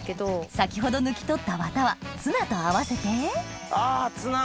先ほど抜き取ったワタはツナと合わせてあぁツナ！